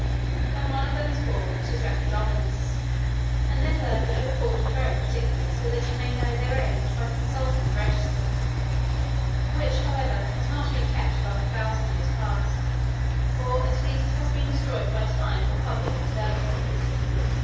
When one of them is born, it is reckoned ominous, and their birth is recorded very particularly so that you may know their age by consulting the register, which, however, has not been kept above a thousand years past, or at least has been destroyed by time or public disturbances.